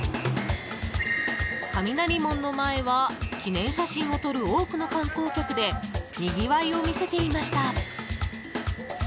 雷門の前は記念写真を撮る多くの観光客でにぎわいを見せていました。